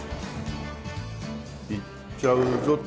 いっちゃうぞっと。